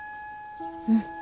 うん。